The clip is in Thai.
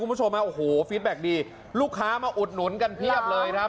คุณผู้ชมโอ้โหฟิตแบ็คดีลูกค้ามาอุดหนุนกันเพียบเลยครับ